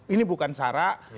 ini bukan sarak